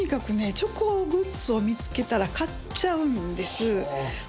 チョコグッズを見つけたら買っちゃうんです